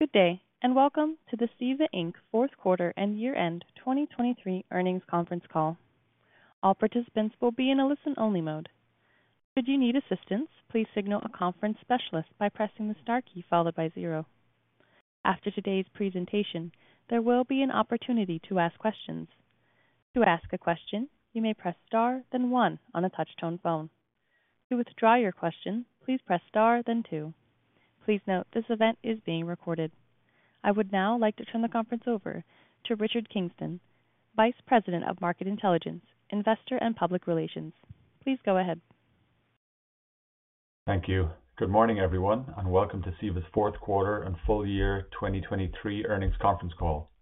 Good day and Welcome to the Ceva, Inc. Fourth Quarter and Year-End 2023 Earnings Conference Call. All participants will be in a listen-only mode. Should you need assistance, please signal a conference specialist by pressing the star key followed by zero. After today's presentation, there will be an opportunity to ask questions. To ask a question, you may press star then one on a touch-tone phone. To withdraw your question, please press star then two. Please note, this event is being recorded. I would now like to turn the conference over to Richard Kingston, Vice President of Market Intelligence, Investor and Public Relations. Please go ahead. Thank you. Good morning, everyone, and welcome to Ceva's fourth quarter and full year 2023 earnings conference call.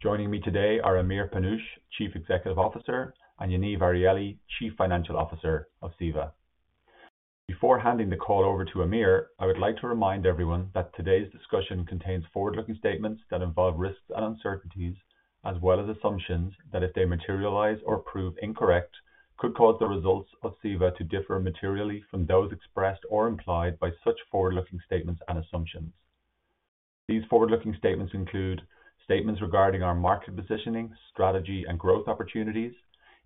Joining me today are Amir Panush, Chief Executive Officer, and Yaniv Arieli, Chief Financial Officer of Ceva. Before handing the call over to Amir, I would like to remind everyone that today's discussion contains forward-looking statements that involve risks and uncertainties, as well as assumptions that if they materialize or prove incorrect, could cause the results of Ceva to differ materially from those expressed or implied by such forward-looking statements and assumptions. These forward-looking statements include statements regarding our market positioning, strategy, and growth opportunities,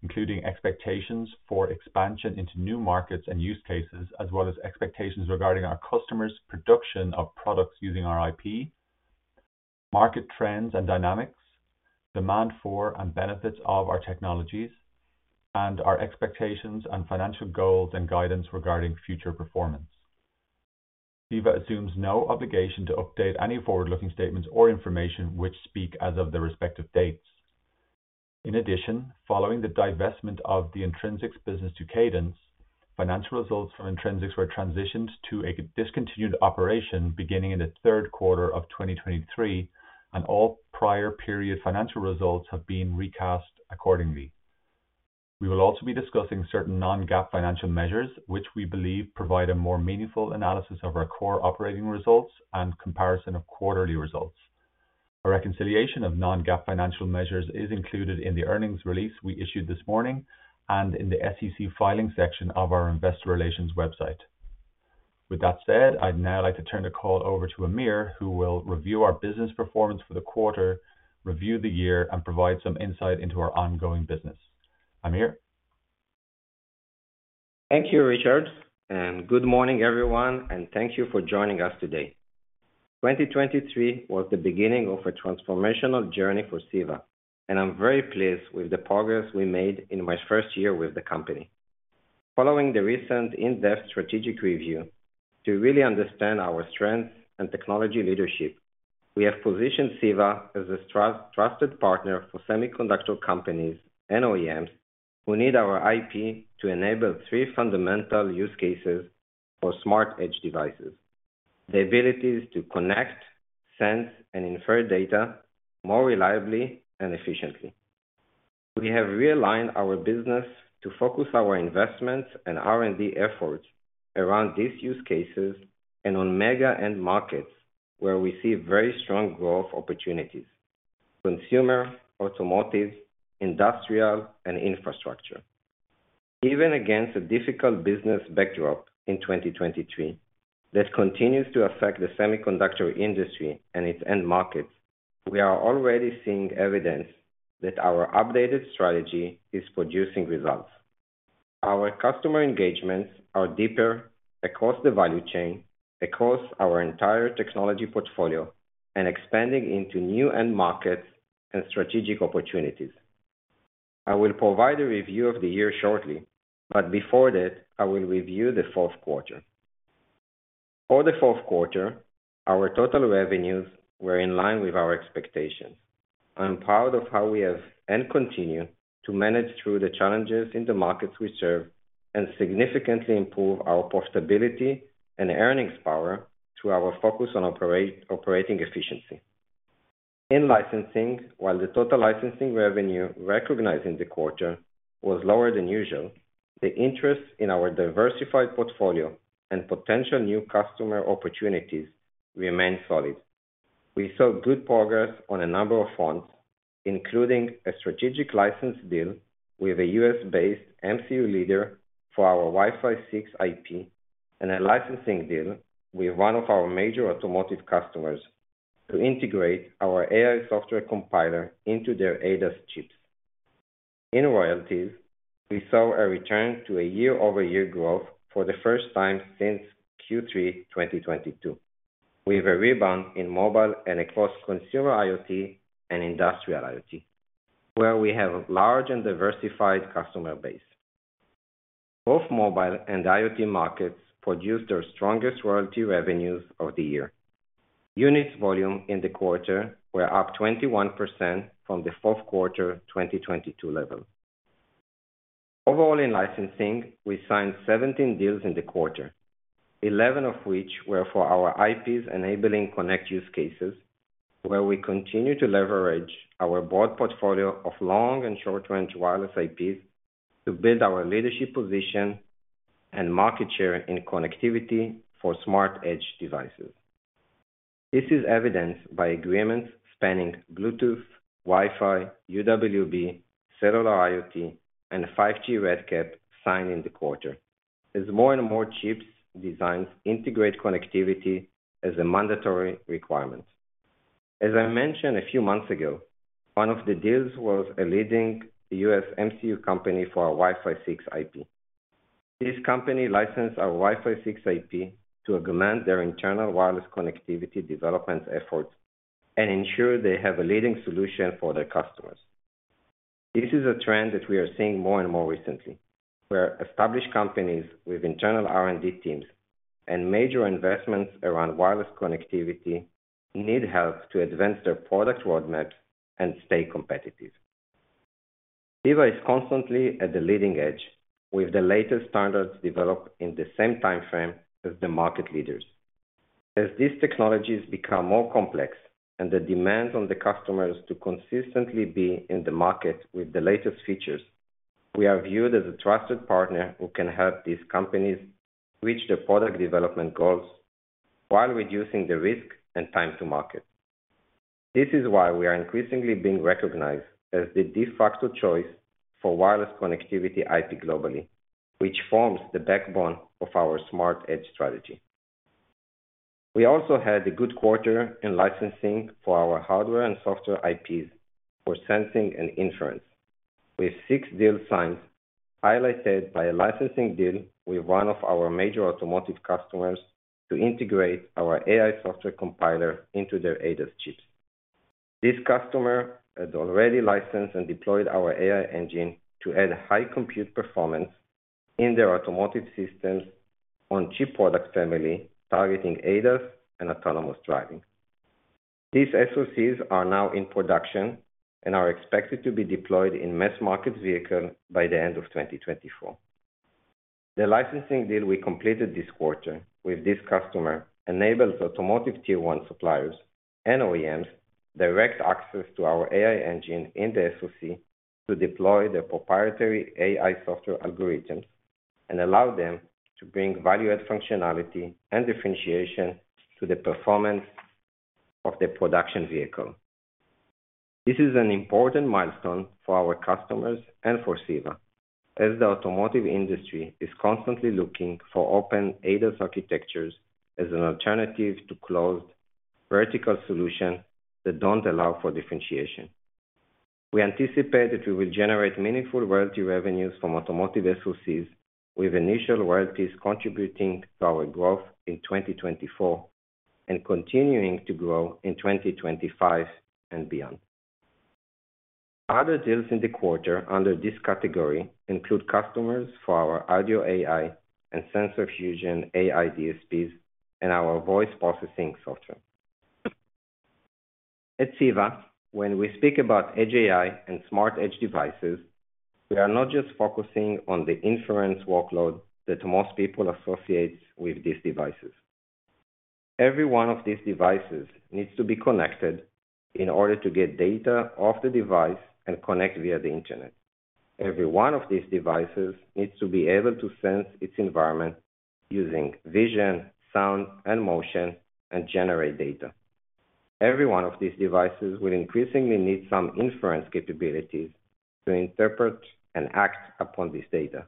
including expectations for expansion into new markets and use cases, as well as expectations regarding our customers' production of products using our IP, market trends and dynamics, demand for and benefits of our technologies, and our expectations and financial goals and guidance regarding future performance. Ceva assumes no obligation to update any forward-looking statements or information which speak as of their respective dates. In addition, following the divestment of the Intrinsix business to Cadence, financial results from Intrinsix were transitioned to a discontinued operation beginning in the third quarter of 2023, and all prior period financial results have been recast accordingly. We will also be discussing certain non-GAAP financial measures, which we believe provide a more meaningful analysis of our core operating results and comparison of quarterly results. A reconciliation of non-GAAP financial measures is included in the earnings release we issued this morning and in the SEC filing section of our investor relations website. With that said, I'd now like to turn the call over to Amir, who will review our business performance for the quarter, review the year, and provide some insight into our ongoing business. Amir? Thank you, Richard, and good morning, everyone, and thank you for joining us today. 2023 was the beginning of a transformational journey for Ceva, and I'm very pleased with the progress we made in my first year with the company. Following the recent in-depth strategic review, to really understand our strengths and technology leadership, we have positioned Ceva as a trusted partner for semiconductor companies and OEMs who need our IP to enable three fundamental use cases for smart edge devices: the abilities to connect, sense, and infer data more reliably and efficiently. We have realigned our business to focus our investments and R&D efforts around these use cases and on mega-end markets where we see very strong growth opportunities: consumer, automotive, industrial, and infrastructure. Even against a difficult business backdrop in 2023 that continues to affect the semiconductor industry and its end markets, we are already seeing evidence that our updated strategy is producing results. Our customer engagements are deeper across the value chain, across our entire technology portfolio, and expanding into new end markets and strategic opportunities. I will provide a review of the year shortly, but before that, I will review the fourth quarter. For the fourth quarter, our total revenues were in line with our expectations. I'm proud of how we have and continue to manage through the challenges in the markets we serve and significantly improve our profitability and earnings power through our focus on operating efficiency. In licensing, while the total licensing revenue recognized in the quarter was lower than usual, the interest in our diversified portfolio and potential new customer opportunities remained solid. We saw good progress on a number of fronts, including a strategic license deal with a U.S.-based MCU leader for our Wi-Fi 6 IP and a licensing deal with one of our major automotive customers to integrate our AI software compiler into their ADAS chips. In royalties, we saw a return to a year-over-year growth for the first time since Q3 2022, with a rebound in mobile and across consumer IoT and industrial IoT, where we have a large and diversified customer base. Both mobile and IoT markets produced their strongest royalty revenues of the year. Units volume in the quarter were up 21% from the fourth quarter 2022 level. Overall, in licensing, we signed 17 deals in the quarter, 11 of which were for our IPs enabling connect use cases, where we continue to leverage our broad portfolio of long and short-range wireless IPs to build our leadership position and market share in connectivity for smart edge devices. This is evidenced by agreements spanning Bluetooth, Wi-Fi, UWB, Cellular IoT, and 5G RedCap signed in the quarter, as more and more chip designs integrate connectivity as a mandatory requirement. As I mentioned a few months ago, one of the deals was a leading U.S. MCU company for our Wi-Fi 6 IP. This company licensed our Wi-Fi 6 IP to augment their internal wireless connectivity development efforts and ensure they have a leading solution for their customers. This is a trend that we are seeing more and more recently, where established companies with internal R&D teams and major investments around wireless connectivity need help to advance their product roadmaps and stay competitive. Ceva is constantly at the leading edge with the latest standards developed in the same time frame as the market leaders. As these technologies become more complex and the demands on the customers to consistently be in the market with the latest features, we are viewed as a trusted partner who can help these companies reach their product development goals while reducing the risk and time to market. This is why we are increasingly being recognized as the de facto choice for wireless connectivity IP globally, which forms the backbone of our smart edge strategy. We also had a good quarter in licensing for our hardware and software IPs for sensing and inference, with six deals signed highlighted by a licensing deal with one of our major automotive customers to integrate our AI software compiler into their ADAS chips. This customer had already licensed and deployed our AI engine to add high compute performance in their automotive systems on a chip product family targeting ADAS and autonomous driving. These SoCs are now in production and are expected to be deployed in mass-market vehicles by the end of 2024. The licensing deal we completed this quarter with this customer enabled automotive tier-one suppliers and OEMs direct access to our AI engine in the SoC to deploy their proprietary AI software algorithms and allow them to bring value-add functionality and differentiation to the performance of their production vehicle. This is an important milestone for our customers and for Ceva, as the automotive industry is constantly looking for open ADAS architectures as an alternative to closed, vertical solutions that don't allow for differentiation. We anticipate that we will generate meaningful royalty revenues from automotive SoCs, with initial royalties contributing to our growth in 2024 and continuing to grow in 2025 and beyond. Other deals in the quarter under this category include customers for our audio AI and Sensor Fusion AI DSPs and our voice processing software. At Ceva, when we speak about Edge AI and smart edge devices, we are not just focusing on the inference workload that most people associate with these devices. Every one of these devices needs to be connected in order to get data off the device and connect via the internet. Every one of these devices needs to be able to sense its environment using vision, sound, and motion, and generate data. Every one of these devices will increasingly need some inference capabilities to interpret and act upon this data.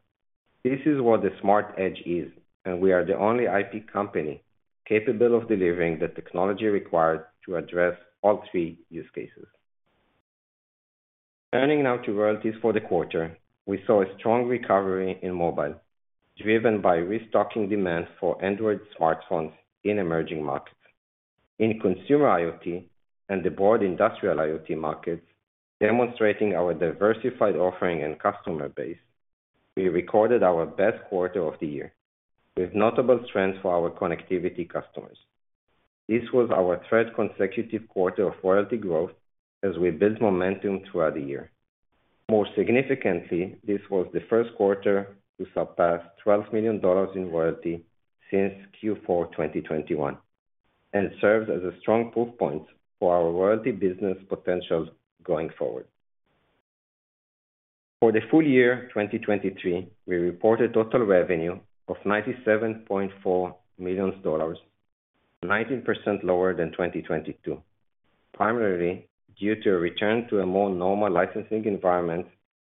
This is what the smart edge is, and we are the only IP company capable of delivering the technology required to address all three use cases. Turning now to royalties for the quarter, we saw a strong recovery in mobile, driven by restocking demand for Android smartphones in emerging markets. In consumer IoT and the broad industrial IoT markets, demonstrating our diversified offering and customer base, we recorded our best quarter of the year, with notable strengths for our connectivity customers. This was our third consecutive quarter of royalty growth as we built momentum throughout the year. More significantly, this was the first quarter to surpass $12 million in royalty since Q4 2021 and serves as a strong proof point for our royalty business potential going forward. For the full year 2023, we reported total revenue of $97.4 million, 19% lower than 2022, primarily due to a return to a more normal licensing environment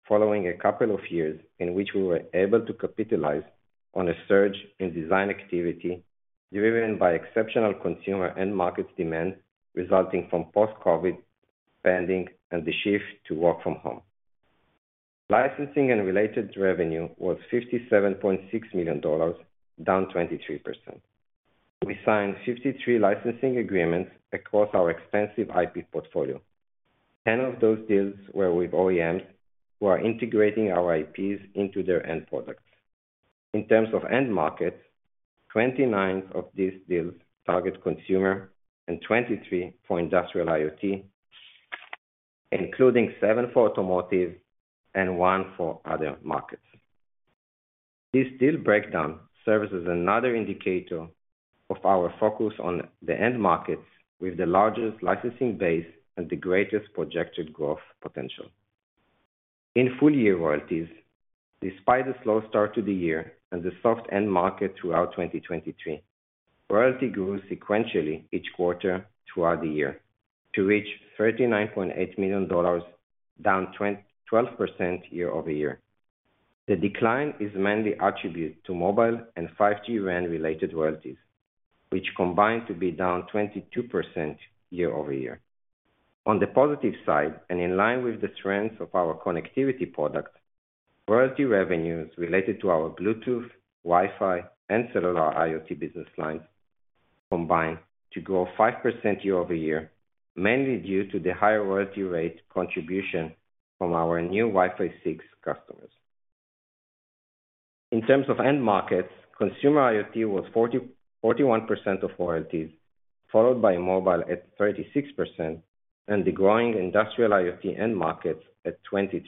following a couple of years in which we were able to capitalize on a surge in design activity driven by exceptional consumer end markets demand resulting from post-COVID spending and the shift to work from home. Licensing and related revenue was $57.6 million, down 23%. We signed 53 licensing agreements across our extensive IP portfolio. 10 of those deals were with OEMs who are integrating our IPs into their end products. In terms of end markets, 29 of these deals target consumer and 23 for industrial IoT, including seven for automotive and one for other markets. This deal breakdown serves as another indicator of our focus on the end markets with the largest licensing base and the greatest projected growth potential. In full year royalties, despite a slow start to the year and the soft end market throughout 2023, royalty grew sequentially each quarter throughout the year to reach $39.8 million, down 12% year-over-year. The decline is mainly attributed to mobile and 5G RAN-related royalties, which combined to be down 22% year-over-year. On the positive side, and in line with the strengths of our connectivity products, royalty revenues related to our Bluetooth, Wi-Fi, and cellular IoT business lines combined to grow 5% year-over-year, mainly due to the higher royalty rate contribution from our new Wi-Fi 6 customers. In terms of end markets, consumer IoT was 41% of royalties, followed by mobile at 36%, and the growing industrial IoT end markets at 23%.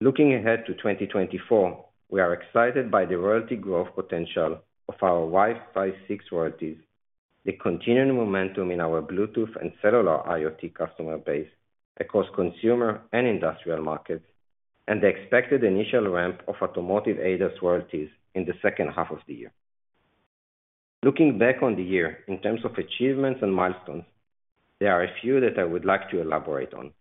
Looking ahead to 2024, we are excited by the royalty growth potential of our Wi-Fi 6 royalties, the continuing momentum in our Bluetooth and cellular IoT customer base across consumer and industrial markets, and the expected initial ramp of automotive ADAS royalties in the second half of the year. Looking back on the year in terms of achievements and milestones, there are a few that I would like to elaborate on.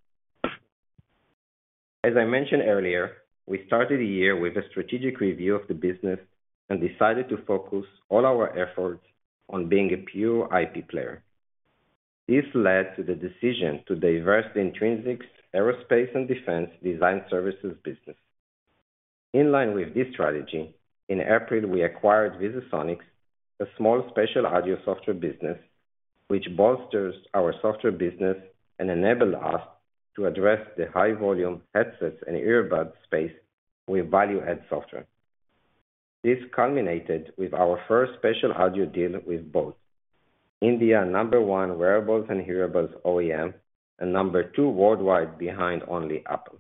As I mentioned earlier, we started the year with a strategic review of the business and decided to focus all our efforts on being a pure IP player. This led to the decision to divest the Intrinsix aerospace and defense design services business. In line with this strategy, in April, we acquired VisiSonics, a small spatial audio software business, which bolstered our software business and enabled us to address the high-volume headsets and earbuds space with value-add software. This culminated with our first spatial audio deal with boAt, India's number-one wearables and hearables OEM and number-two worldwide behind only Apple.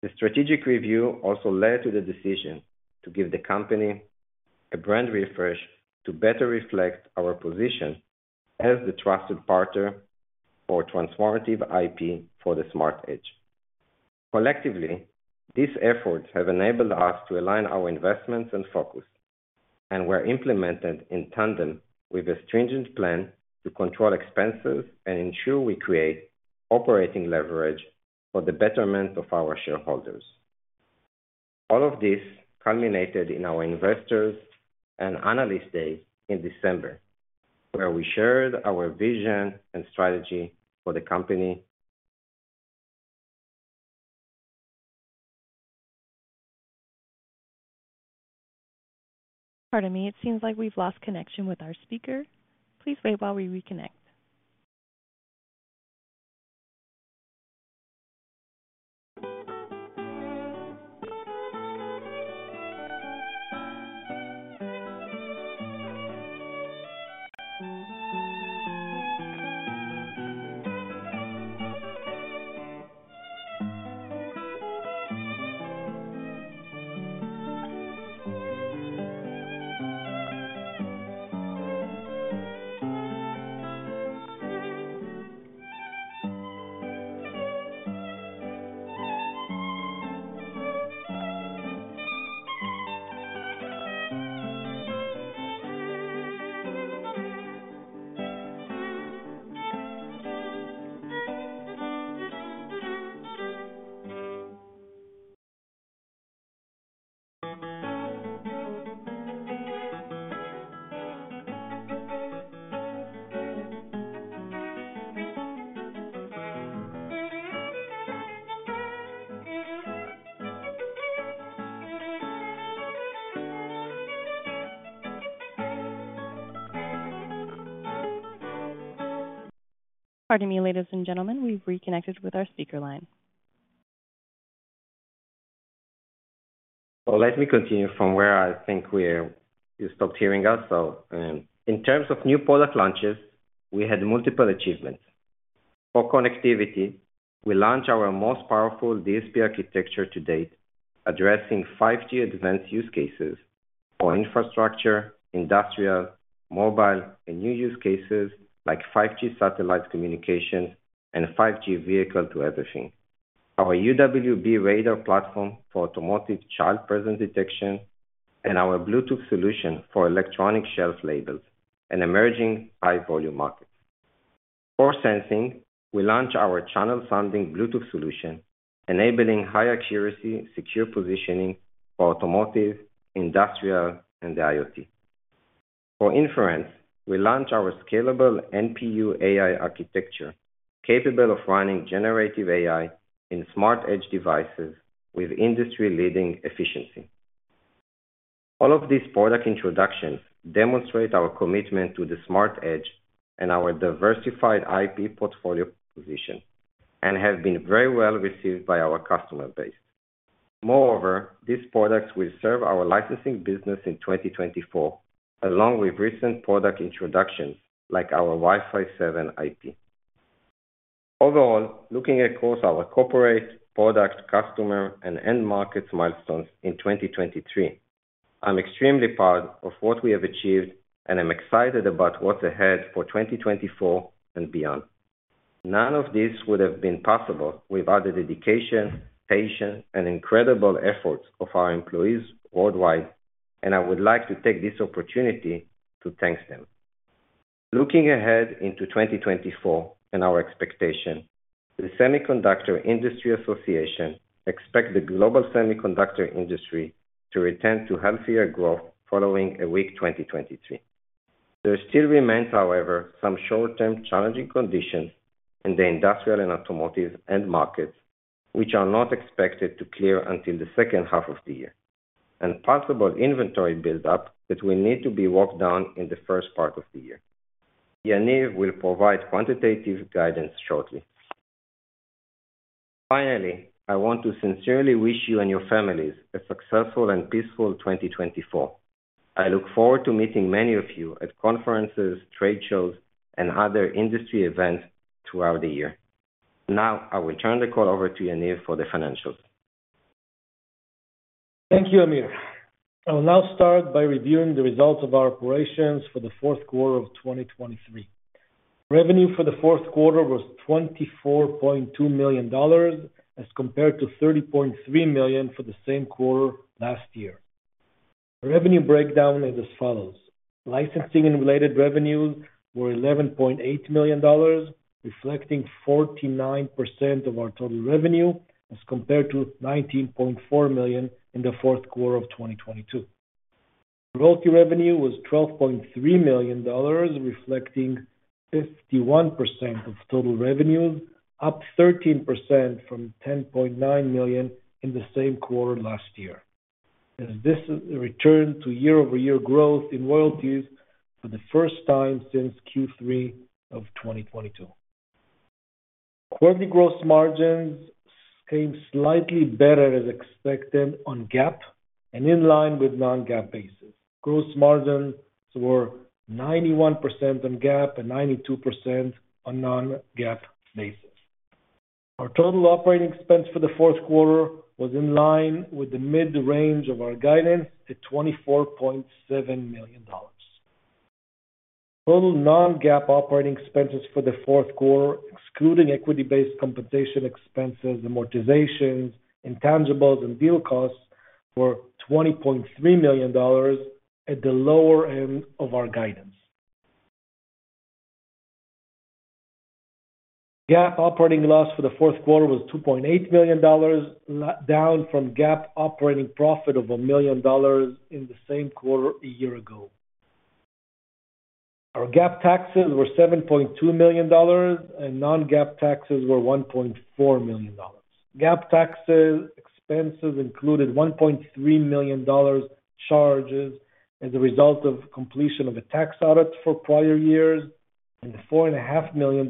The strategic review also led to the decision to give the company a brand refresh to better reflect our position as the trusted partner for transformative IP for the smart edge. Collectively, these efforts have enabled us to align our investments and focus, and were implemented in tandem with a stringent plan to control expenses and ensure we create operating leverage for the betterment of our shareholders. All of this culminated in our investors' and analysts' day in December, where we shared our vision and strategy for the company. Pardon me, it seems like we've lost connection with our speaker. Please wait while we reconnect. Pardon me, ladies and gentlemen, we've reconnected with our speaker line. Well, let me continue from where I think we stopped hearing us. So in terms of new product launches, we had multiple achievements. For connectivity, we launched our most powerful DSP architecture to date, addressing 5G advanced use cases for infrastructure, industrial, mobile, and new use cases like 5G satellite communications and 5G vehicle-to-everything, our UWB radar platform for automotive child presence detection, and our Bluetooth solution for electronic shelf labels in emerging high-volume markets. For sensing, we launched our channel-sounding Bluetooth solution, enabling high accuracy, secure positioning for automotive, industrial, and the IoT. For inference, we launched our scalable NPU AI architecture capable of running generative AI in smart edge devices with industry-leading efficiency. All of these product introductions demonstrate our commitment to the smart edge and our diversified IP portfolio position and have been very well received by our customer base. Moreover, these products will serve our licensing business in 2024, along with recent product introductions like our Wi-Fi 7 IP. Overall, looking across our corporate, product, customer, and end markets milestones in 2023, I'm extremely proud of what we have achieved and am excited about what's ahead for 2024 and beyond. None of this would have been possible without the dedication, patience, and incredible efforts of our employees worldwide, and I would like to take this opportunity to thank them. Looking ahead into 2024 and our expectations, the Semiconductor Industry Association expects the global semiconductor industry to return to healthier growth following a weak 2023. There still remains, however, some short-term challenging conditions in the industrial and automotive end markets, which are not expected to clear until the second half of the year, and possible inventory buildup that will need to be walked down in the first part of the year. Yaniv will provide quantitative guidance shortly. Finally, I want to sincerely wish you and your families a successful and peaceful 2024. I look forward to meeting many of you at conferences, trade shows, and other industry events throughout the year. Now I will turn the call over to Yaniv for the financials. Thank you, Amir. I will now start by reviewing the results of our operations for the fourth quarter of 2023. Revenue for the fourth quarter was $24.2 million as compared to $30.3 million for the same quarter last year. Revenue breakdown is as follows: licensing and related revenues were $11.8 million, reflecting 49% of our total revenue as compared to $19.4 million in the fourth quarter of 2022. Royalty revenue was $12.3 million, reflecting 51% of total revenues, up 13% from $10.9 million in the same quarter last year. This returned to year-over-year growth in royalties for the first time since Q3 of 2022. Quarterly gross margins came slightly better as expected on GAAP and in line with non-GAAP bases. Gross margins were 91% on GAAP and 92% on non-GAAP bases. Our total operating expense for the fourth quarter was in line with the mid-range of our guidance at $24.7 million. Total non-GAAP operating expenses for the fourth quarter, excluding equity-based compensation expenses, amortizations, intangibles, and deal costs, were $20.3 million at the lower end of our guidance. GAAP operating loss for the fourth quarter was $2.8 million, down from GAAP operating profit of $1 million in the same quarter a year ago. Our GAAP taxes were $7.2 million and non-GAAP taxes were $1.4 million. GAAP tax expenses included $1.3 million charges as a result of completion of a tax audit for prior years and a $4.5 million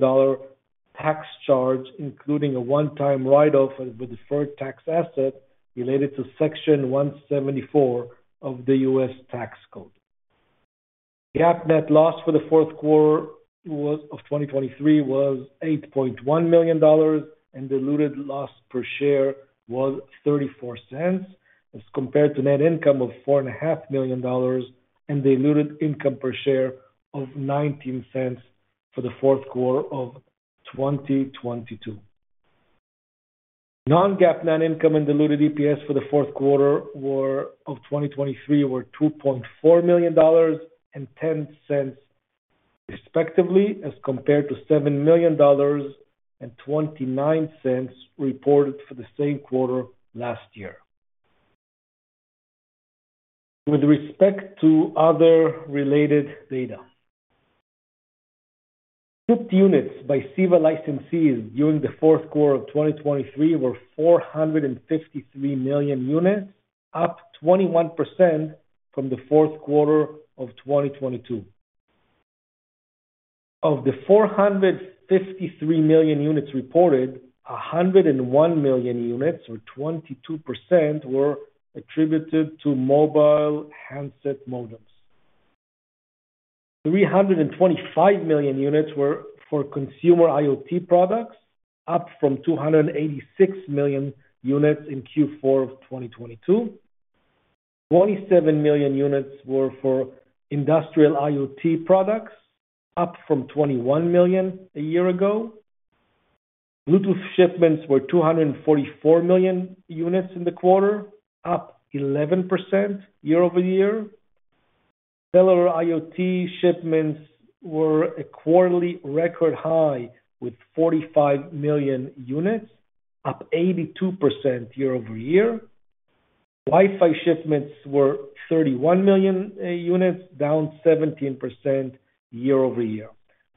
tax charge including a one-time write-off of a deferred tax asset related to Section 174 of the U.S. Tax Code. GAAP net loss for the fourth quarter of 2023 was $8.1 million and diluted loss per share was $0.34 as compared to net income of $4.5 million and diluted income per share of $0.19 for the fourth quarter of 2022. Non-GAAP net income and diluted EPS for the fourth quarter of 2023 were $2.4 million and $0.10 respectively as compared to $7.29 reported for the same quarter last year. With respect to other related data, shipped units by Ceva licensees during the fourth quarter of 2023 were 453 million units, up 21% from the fourth quarter of 2022. Of the 453 million units reported, 101 million units, or 22%, were attributed to mobile handset modems. 325 million units were for consumer IoT products, up from 286 million units in Q4 of 2022. 27 million units were for industrial IoT products, up from 21 million a year ago. Bluetooth shipments were 244 million units in the quarter, up 11% year-over-year. Cellular IoT shipments were a quarterly record high with 45 million units, up 82% year-over-year. Wi-Fi shipments were 31 million units, down 17% year-over-year.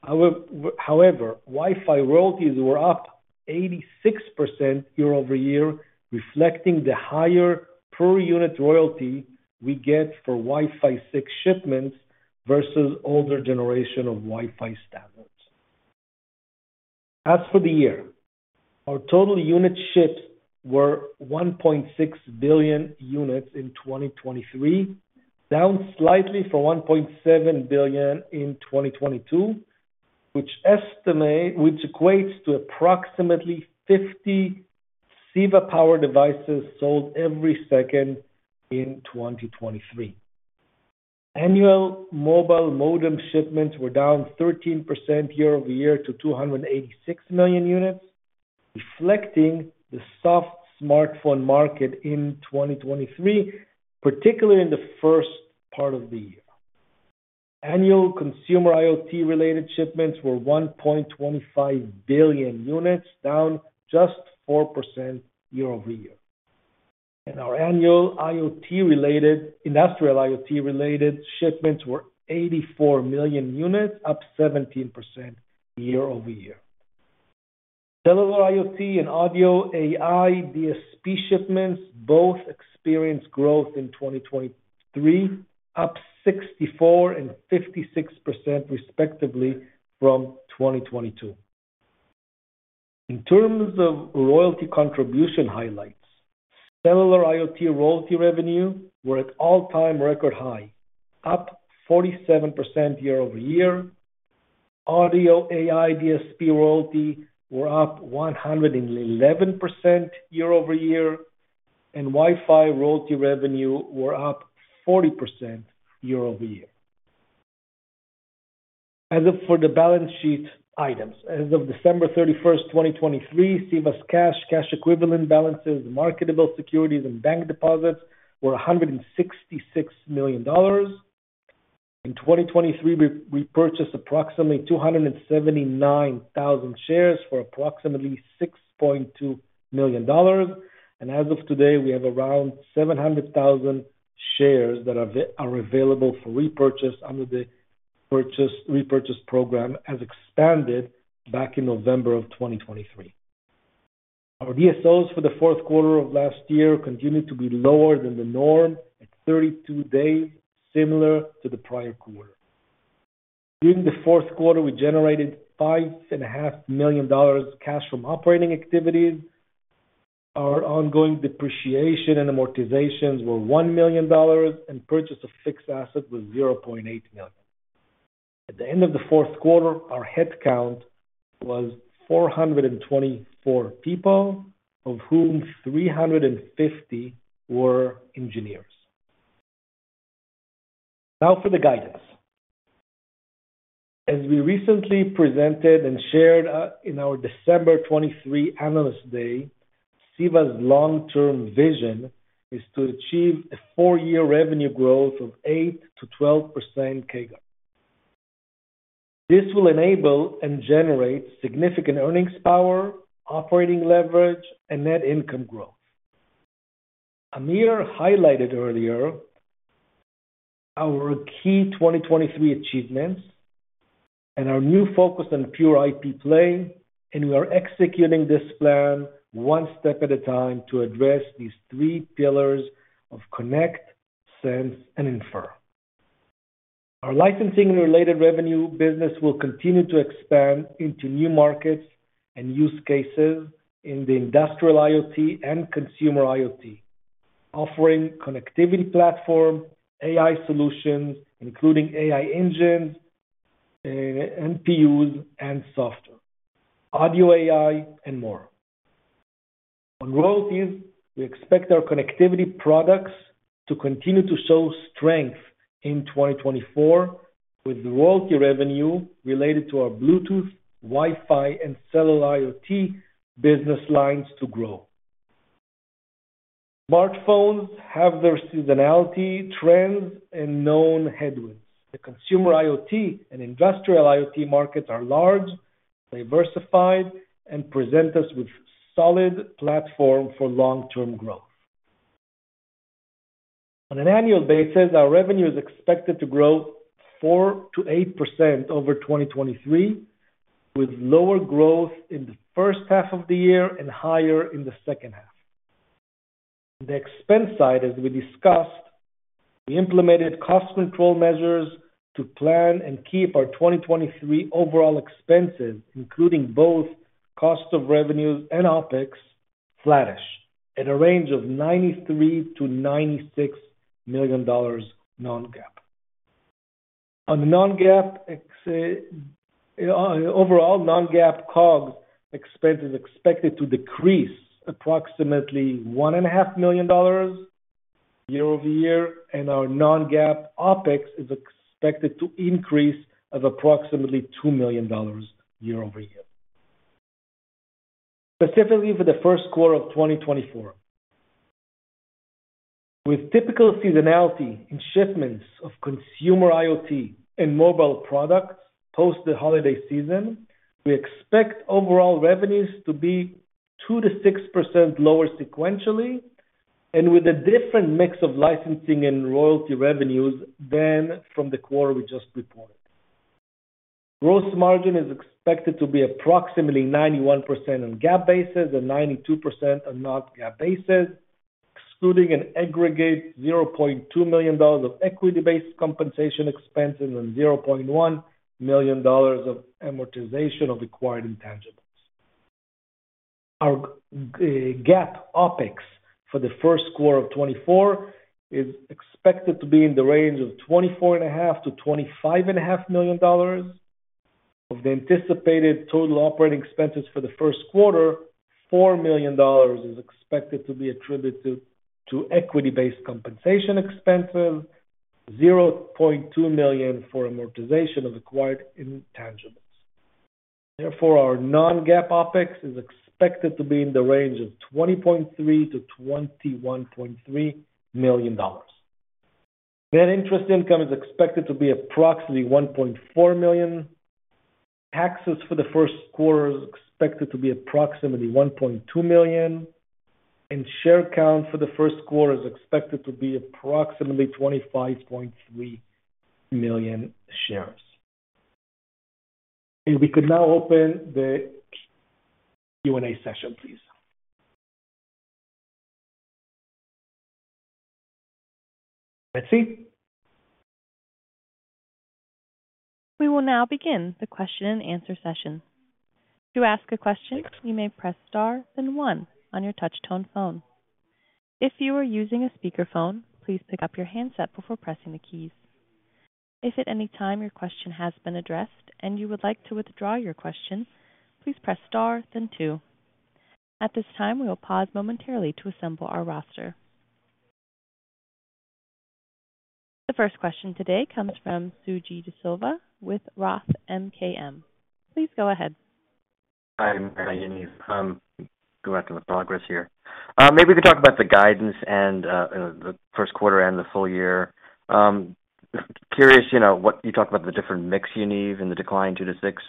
However, Wi-Fi royalties were up 86% year-over-year, reflecting the higher per-unit royalty we get for Wi-Fi 6 shipments versus older generation of Wi-Fi standards. As for the year, our total unit shipped were 1.6 billion units in 2023, down slightly from 1.7 billion in 2022, which equates to approximately 50 Ceva Power devices sold every second in 2023. Annual mobile modem shipments were down 13% year-over-year to 286 million units, reflecting the soft smartphone market in 2023, particularly in the first part of the year. Annual consumer IoT-related shipments were 1.25 billion units, down just 4% year-over-year. Our annual industrial IoT-related shipments were 84 million units, up 17% year-over-year. Cellular IoT and audio AI DSP shipments both experienced growth in 2023, up 64% and 56% respectively from 2022. In terms of royalty contribution highlights, cellular IoT royalty revenue were at all-time record high, up 47% year-over-year. Audio AI DSP royalties were up 111% year-over-year, and Wi-Fi royalty revenue were up 40% year-over-year. As for the balance sheet items, as of December 31st, 2023, Ceva's cash, cash equivalent balances, marketable securities, and bank deposits were $166 million. In 2023, we purchased approximately 279,000 shares for approximately $6.2 million, and as of today, we have around 700,000 shares that are available for repurchase under the repurchase program as expanded back in November of 2023. Our DSOs for the fourth quarter of last year continued to be lower than the norm at 32 days, similar to the prior quarter. During the fourth quarter, we generated $5.5 million cash from operating activities. Our ongoing depreciation and amortizations were $1 million, and purchase of fixed assets was $0.8 million. At the end of the fourth quarter, our headcount was 424 people, of whom 350 were engineers. Now for the guidance. As we recently presented and shared in our December 2023 Analyst Day, Ceva's long-term vision is to achieve a four-year revenue growth of 8%-12% CAGR. This will enable and generate significant earnings power, operating leverage, and net income growth. Amir highlighted earlier our key 2023 achievements and our new focus on pure IP play, and we are executing this plan one step at a time to address these three pillars of connect, sense, and infer. Our licensing-related revenue business will continue to expand into new markets and use cases in the industrial IoT and consumer IoT, offering connectivity platform AI solutions, including AI engines, NPUs, and software, audio AI, and more. On royalties, we expect our connectivity products to continue to show strength in 2024, with royalty revenue related to our Bluetooth, Wi-Fi, and cellular IoT business lines to grow. Smartphones have their seasonality, trends, and known headwinds. The consumer IoT and industrial IoT markets are large, diversified, and present us with solid platforms for long-term growth. On an annual basis, our revenue is expected to grow 4%-8% over 2023, with lower growth in the first half of the year and higher in the second half. On the expense side, as we discussed, we implemented cost control measures to plan and keep our 2023 overall expenses, including both cost of revenues and OPEX, flattish at a range of $93 million-$96 million non-GAAP. On the non-GAAP overall, non-GAAP COGS expense is expected to decrease approximately $1.5 million year-over-year, and our non-GAAP OPEX is expected to increase of approximately $2 million year-over-year, specifically for the first quarter of 2024. With typical seasonality in shipments of consumer IoT and mobile products post the holiday season, we expect overall revenues to be 2%-6% lower sequentially and with a different mix of licensing and royalty revenues than from the quarter we just reported. Gross margin is expected to be approximately 91% on GAAP basis and 92% on non-GAAP basis, excluding an aggregate $0.2 million of equity-based compensation expenses and $0.1 million of amortization of acquired intangibles. Our GAAP OpEx for the first quarter of 2024 is expected to be in the range of $24.5 million-$25.5 million of the anticipated total operating expenses for the first quarter. $4 million is expected to be attributed to equity-based compensation expenses, $0.2 million for amortization of acquired intangibles. Therefore, our non-GAAP OpEx is expected to be in the range of $20.3 million-$21.3 million. Net interest income is expected to be approximately $1.4 million. Taxes for the first quarter are expected to be approximately $1.2 million, and share count for the first quarter is expected to be approximately 25.3 million shares. We could now open the Q&A session, please. Let's see. We will now begin the question-and-answer session. To ask a question, you may press star and one on your touch-tone phone. If you are using a speakerphone, please pick up your handset before pressing the keys. If at any time your question has been addressed and you would like to withdraw your question, please press star, then two. At this time, we will pause momentarily to assemble our roster. The first question today comes from Suji Desilva with Roth MKM. Please go ahead. Hi, Amir, Yaniv. I'm going to go after the progress here. Maybe we could talk about the guidance and the first quarter and the full year. Curious what you talked about the different mix, Yaniv, and the decline two to six.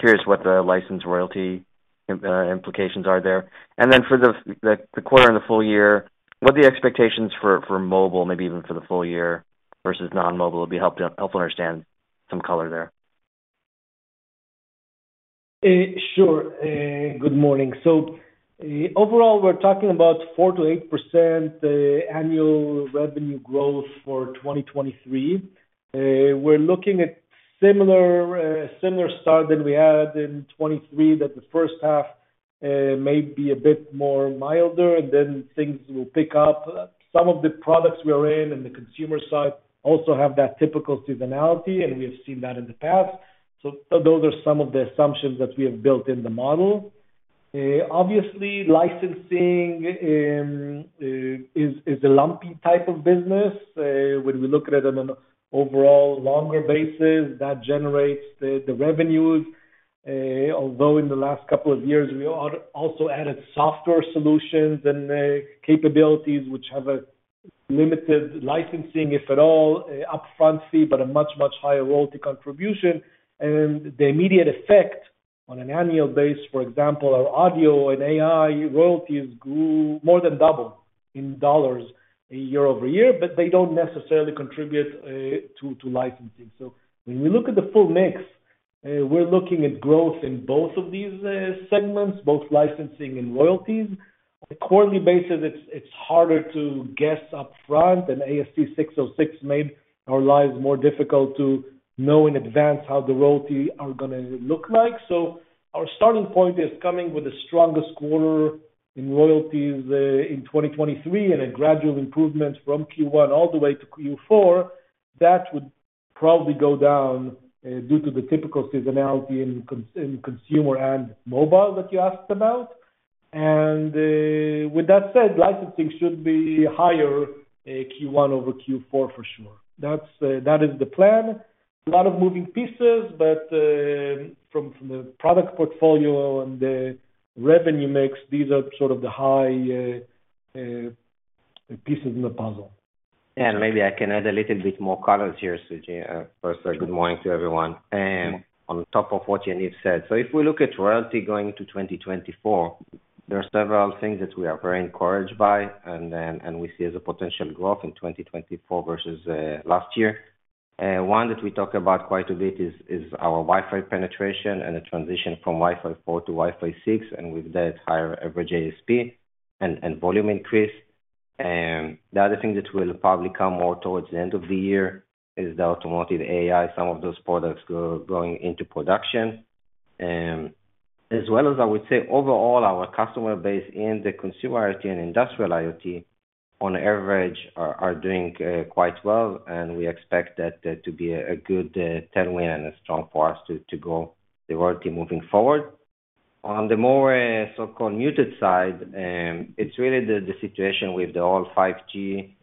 Curious what the license royalty implications are there. And then for the quarter and the full year, what are the expectations for mobile, maybe even for the full year versus non-mobile? It would be helpful to understand some color there. Sure. Good morning. So overall, we're talking about 4%-8% annual revenue growth for 2023. We're looking at a similar start than we had in 2023, that the first half may be a bit more milder, and then things will pick up. Some of the products we are in and the consumer side also have that typical seasonality, and we have seen that in the past. So those are some of the assumptions that we have built in the model. Obviously, licensing is a lumpy type of business. When we look at it on an overall longer basis, that generates the revenues. Although in the last couple of years, we also added software solutions and capabilities, which have a limited licensing, if at all, upfront fee, but a much, much higher royalty contribution. The immediate effect on an annual basis, for example, our audio and AI royalties grew more than double in dollars year-over-year, but they don't necessarily contribute to licensing. So when we look at the full mix, we're looking at growth in both of these segments, both licensing and royalties. On a quarterly basis, it's harder to guess upfront, and ASC 606 made our lives more difficult to know in advance how the royalties are going to look like. So our starting point is coming with the strongest quarter in royalties in 2023 and a gradual improvement from Q1 all the way to Q4. That would probably go down due to the typical seasonality in consumer and mobile that you asked about. And with that said, licensing should be higher Q1 over Q4, for sure. That is the plan. A lot of moving pieces, but from the product portfolio and the revenue mix, these are sort of the high pieces in the puzzle. Maybe I can add a little bit more colors here, Suji. First, good morning to everyone. On top of what Yaniv said, so if we look at royalty going to 2024, there are several things that we are very encouraged by and we see as a potential growth in 2024 versus last year. One that we talk about quite a bit is our Wi-Fi penetration and the transition from Wi-Fi 4 to Wi-Fi 6, and with that, higher average ASP and volume increase. The other thing that will probably come more towards the end of the year is the automotive AI, some of those products going into production, as well as, I would say, overall, our customer base in the consumer IoT and industrial IoT, on average, are doing quite well, and we expect that to be a good tailwind and a strong force to grow the royalty moving forward. On the more so-called muted side, it's really the situation with the old 5G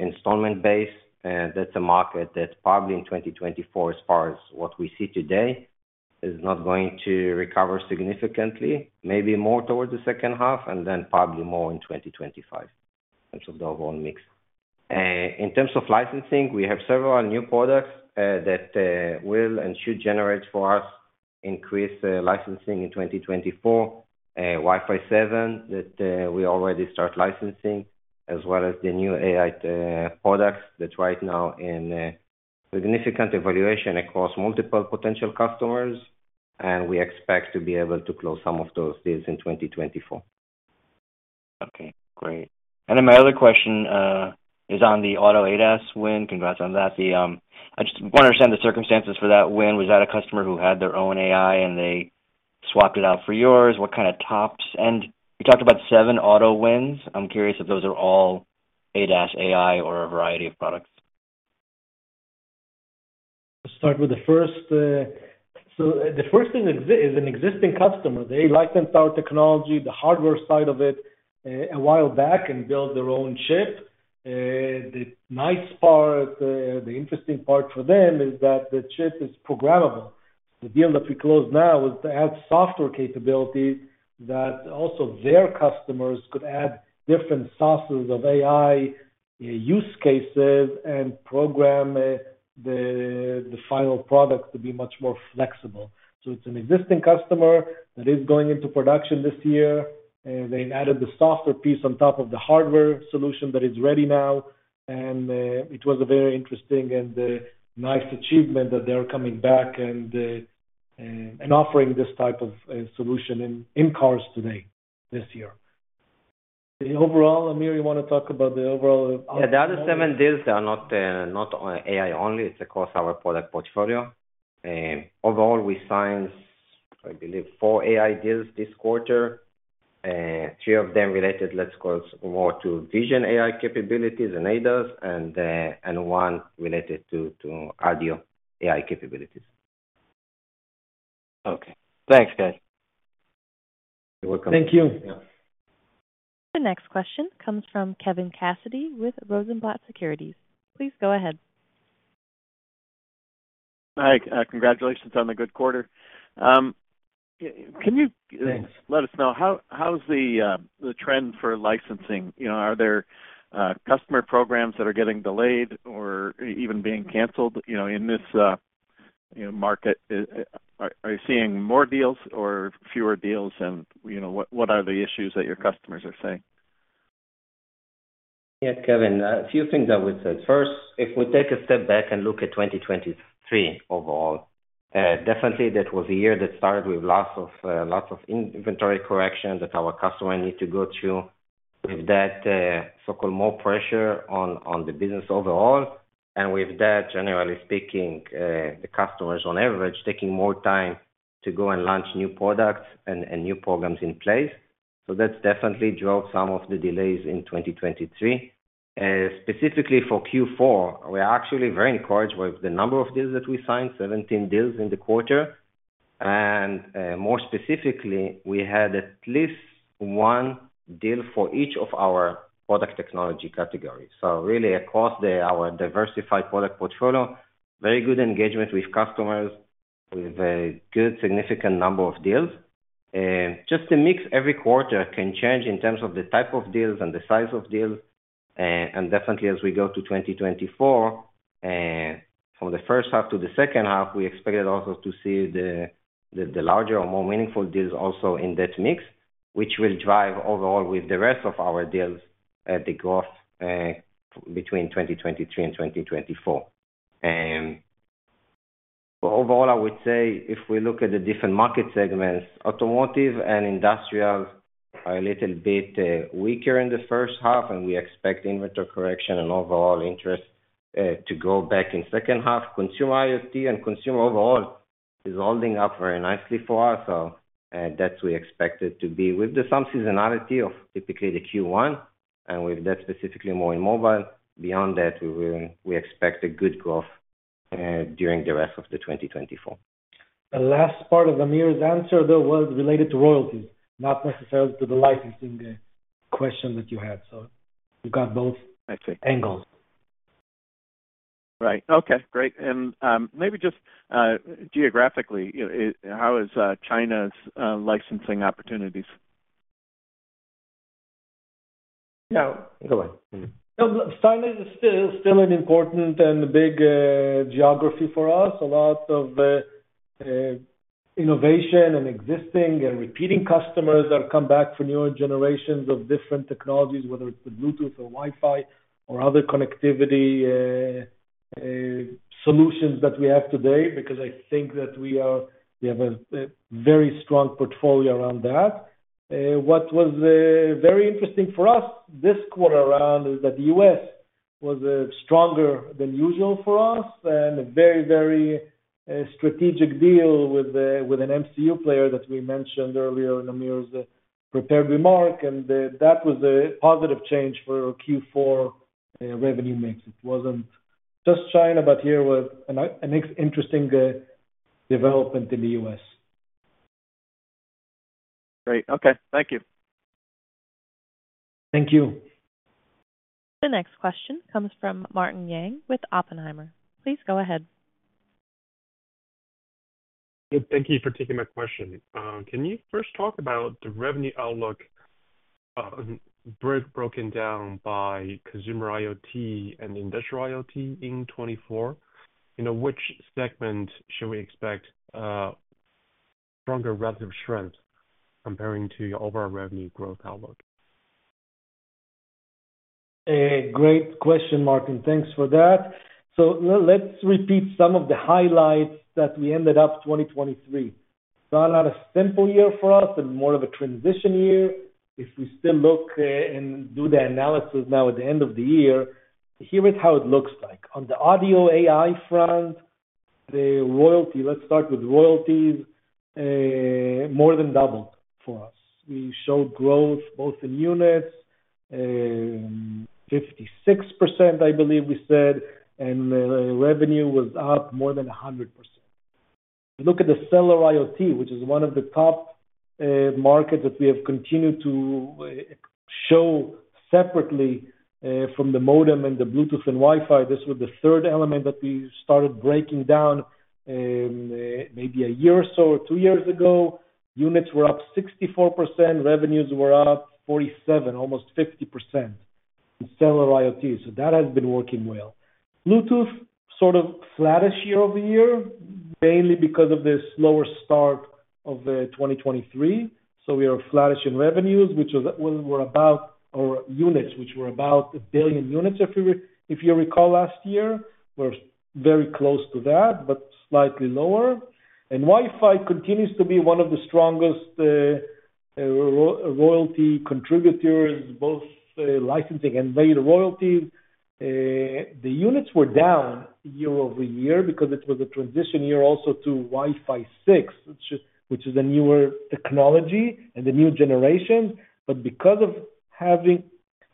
installed base. That's a market that probably in 2024, as far as what we see today, is not going to recover significantly, maybe more towards the second half, and then probably more in 2025 in terms of the overall mix. In terms of licensing, we have several new products that will and should generate for us increased licensing in 2024: Wi-Fi 7 that we already start licensing, as well as the new AI products that right now are in significant evaluation across multiple potential customers, and we expect to be able to close some of those deals in 2024. Okay. Great. And then my other question is on the auto ADAS win. Congrats on that. I just want to understand the circumstances for that win. Was that a customer who had their own AI and they swapped it out for yours? What kind of TOPS? And you talked about seven auto wins. I'm curious if those are all ADAS AI or a variety of products. Let's start with the first. So the first is an existing customer. They licensed our technology, the hardware side of it, a while back and built their own chip. The nice part, the interesting part for them is that the chip is programmable. The deal that we closed now was to add software capabilities that also their customers could add different sources of AI use cases and program the final product to be much more flexible. So it's an existing customer that is going into production this year. They've added the software piece on top of the hardware solution that is ready now, and it was a very interesting and nice achievement that they are coming back and offering this type of solution in cars today this year. Overall, Amir, you want to talk about the overall? Yeah. The other seven deals, they are not AI only. It's across our product portfolio. Overall, we signed, I believe, four AI deals this quarter, three of them related, let's call it, more to vision AI capabilities and ADAS, and one related to audio AI capabilities. Okay. Thanks, guys. You're welcome. Thank you. The next question comes from Kevin Cassidy with Rosenblatt Securities. Please go ahead. Hi. Congratulations on the good quarter. Can you let us know how's the trend for licensing? Are there customer programs that are getting delayed or even being canceled in this market? Are you seeing more deals or fewer deals, and what are the issues that your customers are saying? Yeah, Kevin. A few things I would say. First, if we take a step back and look at 2023 overall, definitely that was a year that started with lots of inventory corrections that our customers need to go through, with that so-called more pressure on the business overall, and with that, generally speaking, the customers, on average, taking more time to go and launch new products and new programs in place. So that's definitely drove some of the delays in 2023. Specifically for Q4, we are actually very encouraged with the number of deals that we signed, 17 deals in the quarter. And more specifically, we had at least one deal for each of our product technology categories. So really, across our diversified product portfolio, very good engagement with customers with a good, significant number of deals. Just the mix every quarter can change in terms of the type of deals and the size of deals. And definitely, as we go to 2024, from the first half to the second half, we expected also to see the larger or more meaningful deals also in that mix, which will drive overall with the rest of our deals the growth between 2023 and 2024. Overall, I would say if we look at the different market segments, automotive and industrials are a little bit weaker in the first half, and we expect inventory correction and overall interest to go back in second half. Consumer IoT and consumer overall is holding up very nicely for us, so that's what we expected to be. With some seasonality of typically the Q1 and with that specifically more in mobile, beyond that, we expect a good growth during the rest of the 2024. The last part of Amir's answer, though, was related to royalties, not necessarily to the licensing question that you had. So you've got both angles. Right. Okay. Great. And maybe just geographically, how is China's licensing opportunities? Yeah. Go ahead. No, China is still an important and big geography for us. A lot of innovation and existing and repeating customers have come back for newer generations of different technologies, whether it's the Bluetooth or Wi-Fi or other connectivity solutions that we have today, because I think that we have a very strong portfolio around that. What was very interesting for us this quarter around is that the U.S. was stronger than usual for us and a very, very strategic deal with an MCU player that we mentioned earlier in Amir's prepared remark, and that was a positive change for our Q4 revenue mix. It wasn't just China, but here was an interesting development in the U.S. Great. Okay. Thank you. Thank you. The next question comes from Martin Yang with Oppenheimer. Please go ahead. Thank you for taking my question. Can you first talk about the revenue outlook broken down by consumer IoT and industrial IoT in 2024? Which segment should we expect stronger relative strength comparing to your overall revenue growth outlook? Great question, Martin. Thanks for that. So let's repeat some of the highlights that we ended up 2023. It's not a simple year for us and more of a transition year. If we still look and do the analysis now at the end of the year, here is how it looks like. On the audio AI front, let's start with royalties, more than doubled for us. We showed growth both in units, 56%, I believe we said, and revenue was up more than 100%. Look at the cellular IoT, which is one of the top markets that we have continued to show separately from the modem and the Bluetooth and Wi-Fi. This was the third element that we started breaking down maybe a year or so or two years ago. Units were up 64%. Revenues were up 47%, almost 50%, in cellular IoT. So that has been working well. Bluetooth, sort of flattest year-over-year, mainly because of the slower start of 2023. So we are flattest in revenues, which were about our units, which were about 1 billion units, if you recall last year. We're very close to that, but slightly lower. And Wi-Fi continues to be one of the strongest royalty contributors, both licensing and latter royalties. The units were down year-over-year because it was a transition year also to Wi-Fi 6, which is a newer technology and a new generation. But because of having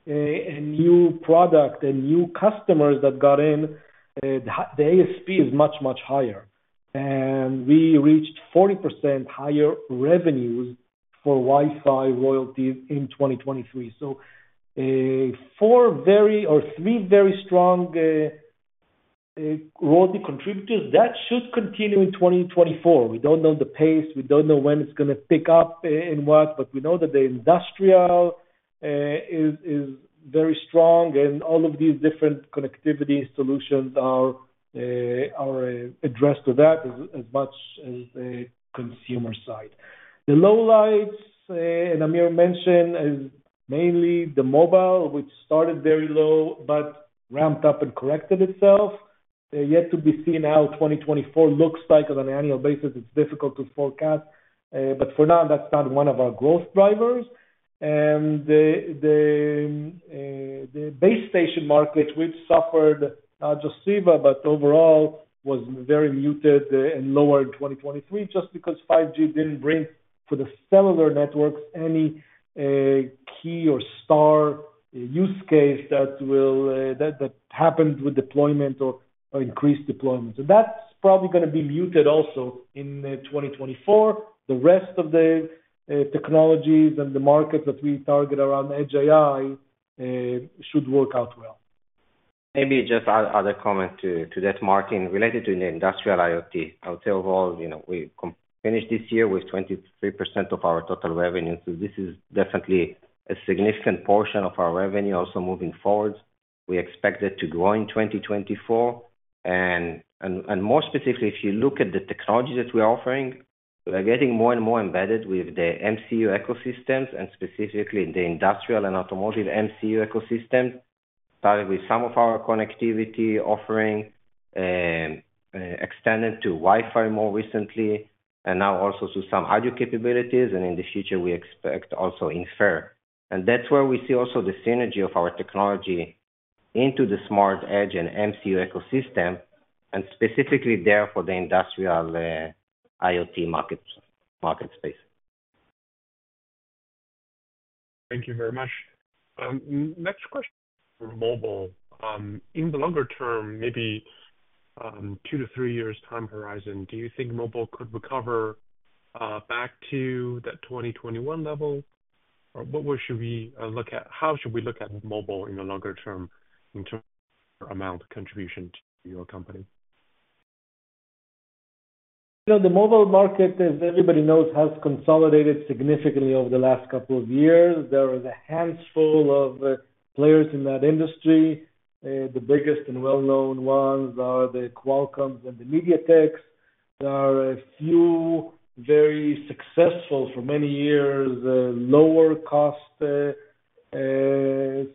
a new product, new customers that got in, the ASP is much, much higher. And we reached 40% higher revenues for Wi-Fi royalties in 2023. So four or three very strong royalty contributors, that should continue in 2024. We don't know the pace. We don't know when it's going to pick up and what, but we know that the industrial is very strong, and all of these different connectivity solutions are addressed to that as much as the consumer side. The lowlights, and Amir mentioned, is mainly the mobile, which started very low but ramped up and corrected itself. Yet to be seen how 2024 looks like on an annual basis. It's difficult to forecast, but for now, that's not one of our growth drivers. The base station market, which suffered not just Ceva, but overall, was very muted and lower in 2023 just because 5G didn't bring for the cellular networks any key or star use case that happened with deployment or increased deployment. That's probably going to be muted also in 2024. The rest of the technologies and the markets that we target around Edge AI should work out well. Maybe just other comment to that, Martin, related to the industrial IoT. I would say overall, we finished this year with 23% of our total revenue. So this is definitely a significant portion of our revenue also moving forward. We expect it to grow in 2024. And more specifically, if you look at the technology that we are offering, we are getting more and more embedded with the MCU ecosystems and specifically the industrial and automotive MCU ecosystems, starting with some of our connectivity offering extended to Wi-Fi more recently and now also to some audio capabilities. And in the future, we expect also Inpher. And that's where we see also the synergy of our technology into the smart edge and MCU ecosystem and specifically there for the industrial IoT market space. Thank you very much. Next question for mobile. In the longer term, maybe two to three years time horizon, do you think mobile could recover back to that 2021 level, or what should we look at? How should we look at mobile in the longer term in terms of amount of contribution to your company? The mobile market, as everybody knows, has consolidated significantly over the last couple of years. There are a handful of players in that industry. The biggest and well-known ones are the Qualcomms and the MediaTeks. There are a few very successful for many years, lower-cost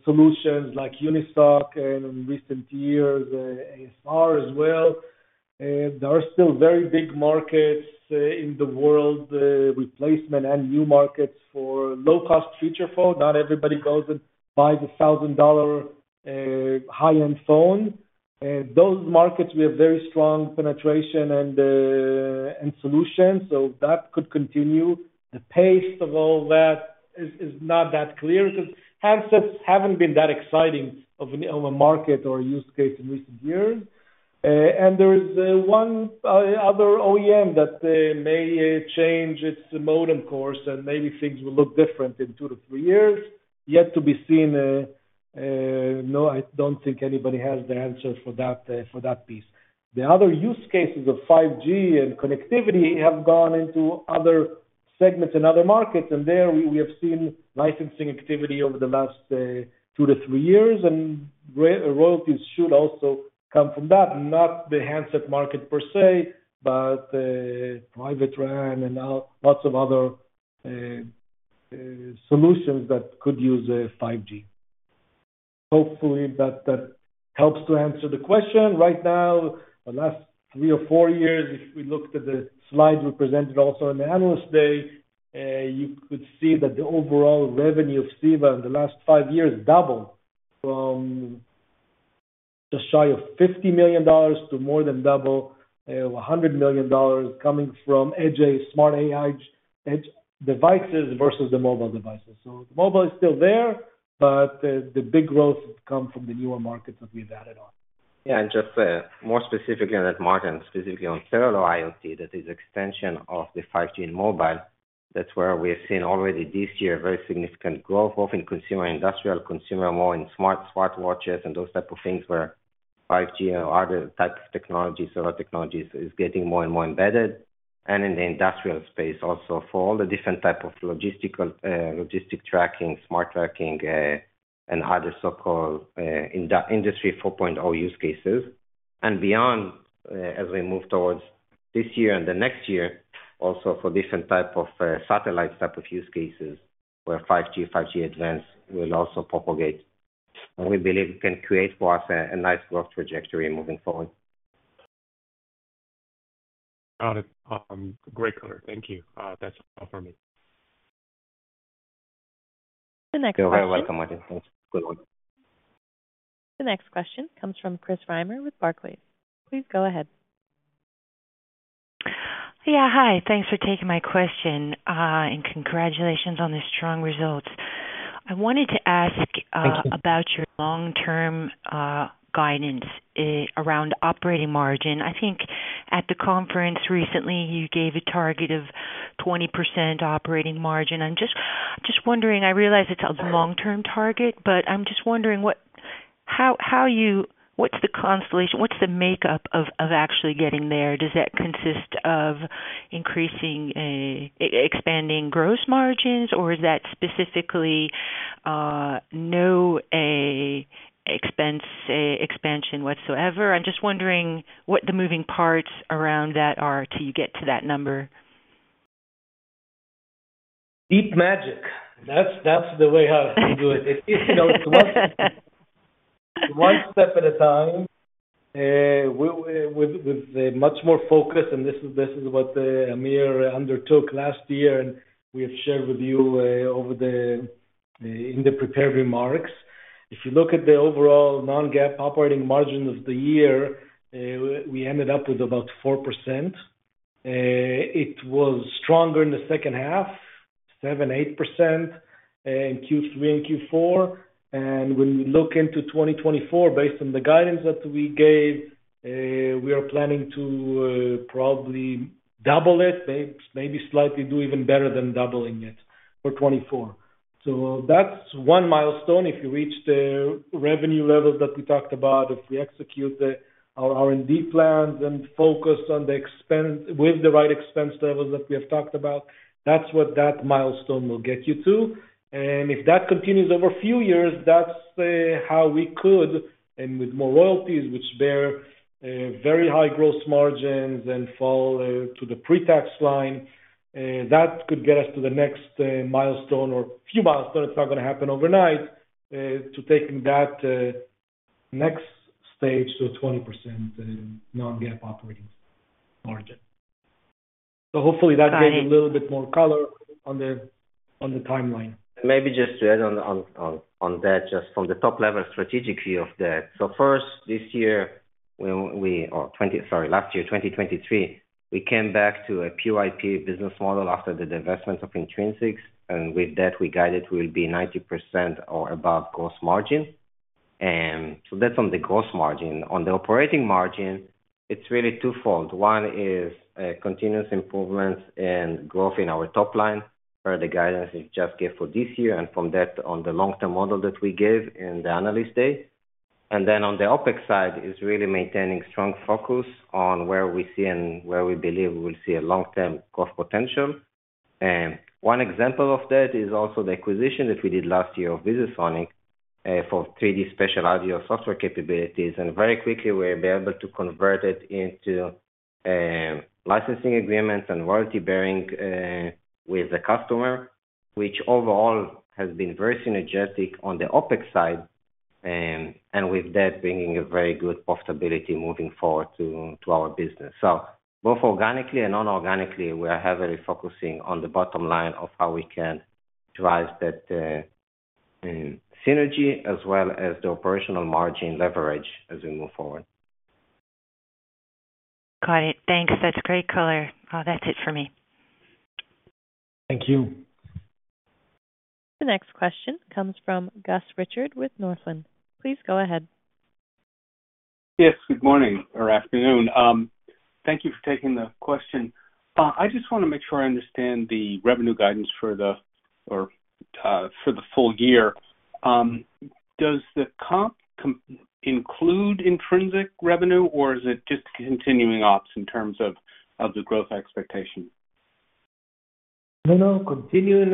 solutions like Unisoc and in recent years, ASR as well. There are still very big markets in the world, replacement and new markets for low-cost feature phones. Not everybody goes and buys a $1,000 high-end phone. In those markets, we have very strong penetration and solutions, so that could continue. The pace of all that is not that clear because handsets haven't been that exciting of a market or use case in recent years. There is one other OEM that may change its modem course, and maybe things will look different in two to three years. Yet to be seen. No, I don't think anybody has the answer for that piece. The other use cases of 5G and connectivity have gone into other segments and other markets, and there we have seen licensing activity over the last two to three years. Royalties should also come from that, not the handset market per se, but private RAN and lots of other solutions that could use 5G. Hopefully, that helps to answer the question. Right now, the last three or four years, if we looked at the slide we presented also in the Analyst Day, you could see that the overall revenue of Ceva in the last five years doubled from just shy of $50 million to more than double, $100 million coming from edge AI devices versus the mobile devices. The mobile is still there, but the big growth has come from the newer markets that we've added on. Yeah. And just more specifically on that, Martin, specifically on cellular IoT, that is an extension of the 5G in mobile. That's where we have seen already this year very significant growth, both in consumer industrial, consumer more in smartwatches and those type of things where 5G or other type of technologies, cellular technologies, is getting more and more embedded. And in the industrial space also for all the different type of logistic tracking, smart tracking, and other so-called Industry 4.0 use cases. And beyond, as we move towards this year and the next year, also for different type of satellite type of use cases where 5G, 5G Advanced will also propagate, and we believe it can create for us a nice growth trajectory moving forward. Got it. Great color. Thank you. That's all from me. The next question. You're very welcome, Martin. Thanks. Good one. The next question comes from Chris Reimer with Barclays. Please go ahead. Yeah. Hi. Thanks for taking my question and congratulations on the strong results. I wanted to ask about your long-term guidance around operating margin. I think at the conference recently, you gave a target of 20% operating margin. I'm just wondering. I realize it's a long-term target, but I'm just wondering what's the constellation? What's the makeup of actually getting there? Does that consist of expanding gross margins, or is that specifically no expense expansion whatsoever? I'm just wondering what the moving parts around that are till you get to that number. Deep magic. That's the way how we do it. It's one step at a time with much more focus, and this is what Amir undertook last year, and we have shared with you in the prepared remarks. If you look at the overall non-GAAP operating margin of the year, we ended up with about 4%. It was stronger in the second half, 7%-8% in Q3 and Q4. And when we look into 2024, based on the guidance that we gave, we are planning to probably double it, maybe slightly do even better than doubling it for 2024. So that's one milestone. If you reach the revenue levels that we talked about, if we execute our R&D plans and focus with the right expense levels that we have talked about, that's what that milestone will get you to. If that continues over a few years, that's how we could, and with more royalties, which bear very high gross margins and fall to the pre-tax line, that could get us to the next milestone or few milestones. It's not going to happen overnight to taking that next stage to a 20% non-GAAP operating margin. So hopefully, that gave a little bit more color on the timeline. Maybe just to add on that, just from the top level strategic view of that. So first, this year or sorry, last year, 2023, we came back to a PYP business model after the development of Intrinsix, and with that, we guided we will be 90% or above gross margin. So that's on the gross margin. On the operating margin, it's really twofold. One is continuous improvements and growth in our top line where the guidance is just given for this year, and from that, on the long-term model that we gave in the analyst day. And then on the OpEx side, it's really maintaining strong focus on where we see and where we believe we will see a long-term growth potential. And one example of that is also the acquisition that we did last year of VisiSonics for 3D spatial audio software capabilities. Very quickly, we were able to convert it into licensing agreements and royalty-bearing with the customer, which overall has been very synergistic on the IP side and with that bringing a very good profitability moving forward to our business. Both organically and non-organically, we are heavily focusing on the bottom line of how we can drive that synergy as well as the operational margin leverage as we move forward. Got it. Thanks. That's great color. That's it for me. Thank you. The next question comes from Gus Richard with Northland. Please go ahead. Yes. Good morning or afternoon. Thank you for taking the question. I just want to make sure I understand the revenue guidance for the full year. Does the comp include Intrinsix revenue, or is it just continuing ops in terms of the growth expectation? No, no. Continuing.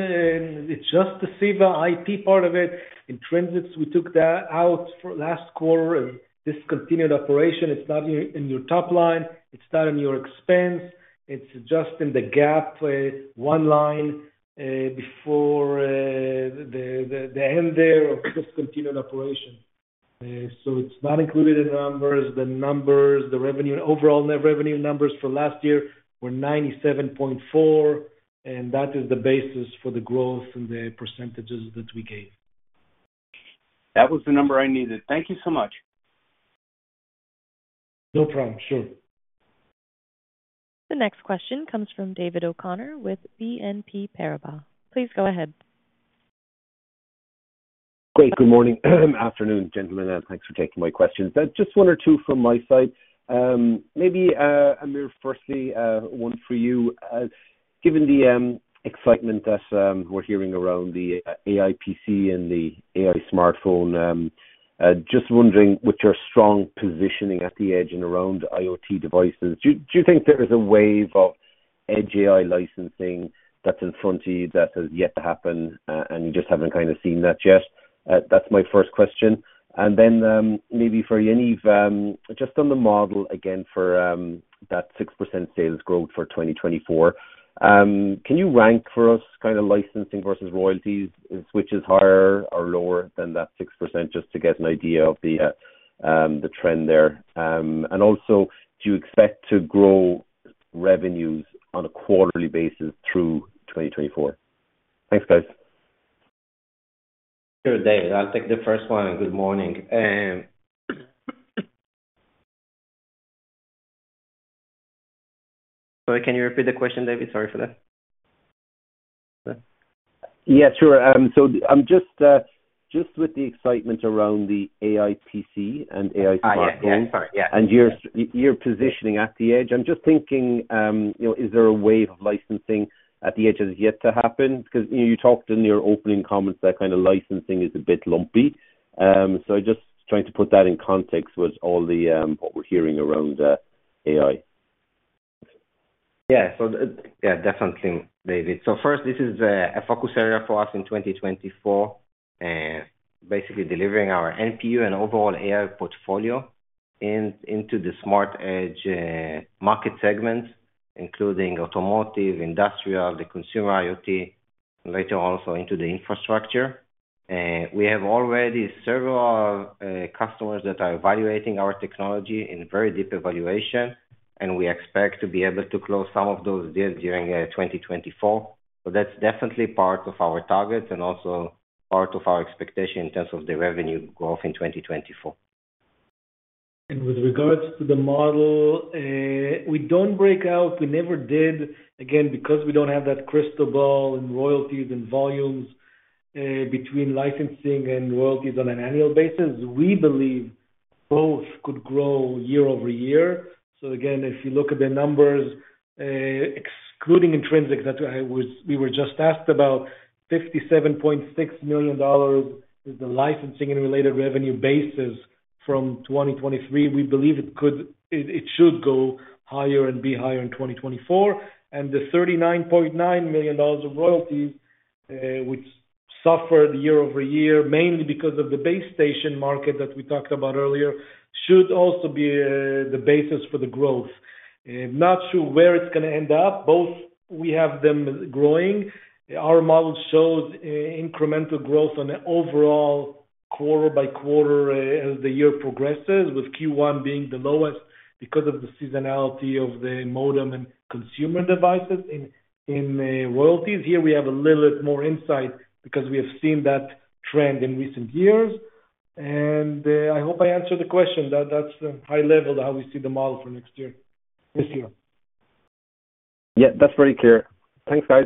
It's just the Ceva IP part of it. Intrinsix, we took that out last quarter as discontinued operations. It's not in your top line. It's not in your expenses. It's just in the GAAP one line before the end there of discontinued operations. So it's not included in the numbers. The revenue, overall net revenue numbers for last year were $97.4 million, and that is the basis for the growth and the percentages that we gave. That was the number I needed. Thank you so much. No problem. Sure. The next question comes from David O'Connor with BNP Paribas. Please go ahead. Great. Good morning afternoon, gentlemen, and thanks for taking my questions. Just one or two from my side. Maybe, Amir firstly, one for you. Given the excitement that we're hearing around the AI PC and the AI smartphone, just wondering with your strong positioning at the edge and around IoT devices, do you think there is a wave of edge AI licensing that's in front of you that has yet to happen, and you just haven't kind of seen that yet? That's my first question. And then maybe for Yaniv, just on the model again for that 6% sales growth for 2024, can you rank for us kind of licensing versus royalties, which is higher or lower than that 6% just to get an idea of the trend there? And also, do you expect to grow revenues on a quarterly basis through 2024? Thanks, guys. Sure, David. I'll take the first one. Good morning. Sorry, can you repeat the question, David? Sorry for that. Yeah, sure. So just with the excitement around the AI PC and AI smartphones. Oh, yeah, yeah. Sorry. Yeah. Your positioning at the edge, I'm just thinking, is there a wave of licensing at the edge that has yet to happen? Because you talked in your opening comments that kind of licensing is a bit lumpy. I'm just trying to put that in context with all what we're hearing around AI. Yeah. So yeah, definitely, David. So first, this is a focus area for us in 2024, basically delivering our NPU and overall AI portfolio into the smart edge market segments, including automotive, industrial, the consumer IoT, and later also into the infrastructure. We have already several customers that are evaluating our technology in very deep evaluation, and we expect to be able to close some of those deals during 2024. So that's definitely part of our targets and also part of our expectation in terms of the revenue growth in 2024. With regards to the model, we don't break out. We never did. Again, because we don't have that crystal ball in royalties and volumes between licensing and royalties on an annual basis, we believe both could grow year-over-year. So again, if you look at the numbers, excluding Intrinsix that we were just asked about, $57.6 million is the licensing and related revenue basis from 2023. We believe it should go higher and be higher in 2024. The $39.9 million of royalties, which suffered year-over-year mainly because of the base station market that we talked about earlier, should also be the basis for the growth. Not sure where it's going to end up. Both we have them growing. Our model shows incremental growth on an overall quarter by quarter as the year progresses, with Q1 being the lowest because of the seasonality of the modem and consumer devices in royalties. Here, we have a little bit more insight because we have seen that trend in recent years. I hope I answered the question. That's high-level how we see the model for this year. Yeah. That's very clear. Thanks, guys.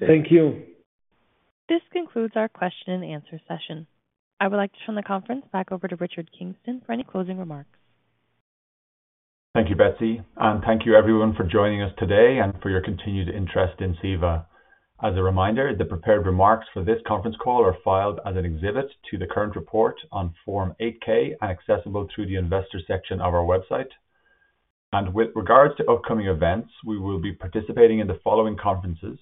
Thank you. This concludes our question-and-answer session. I would like to turn the conference back over to Richard Kingston for any closing remarks. Thank you, Betsy. Thank you, everyone, for joining us today and for your continued interest in Ceva. As a reminder, the prepared remarks for this conference call are filed as an exhibit to the current report on Form 8-K and accessible through the investor section of our website. With regards to upcoming events, we will be participating in the following conferences: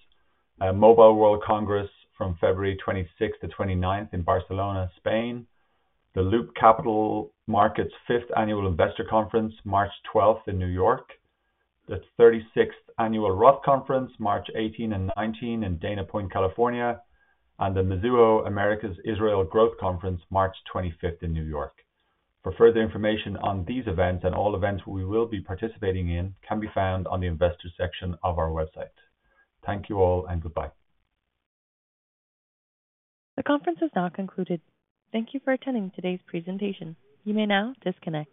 Mobile World Congress from February 26th to 29th in Barcelona, Spain; the Loop Capital Markets Fifth Annual Investor Conference, March 12th in New York; the 36th Annual Roth Conference, March 18 and 19 in Dana Point, California; and the Mizuho Americas Israel Growth Conference, March 25th in New York. For further information on these events and all events we will be participating in, can be found on the investor section of our website. Thank you all, and goodbye. The conference has now concluded. Thank you for attending today's presentation. You may now disconnect.